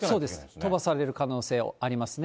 飛ばされる可能性ありますね。